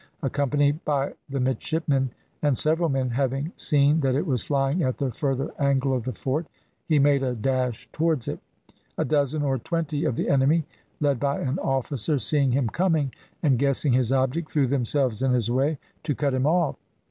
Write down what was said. Accompanied by the midshipmen and several men, having seen that it was flying at the further angle of the fort, he made a dash towards it. A dozen or twenty of the enemy, led by an officer, seeing him coming, and guessing his object, threw themselves in his way to cut him off.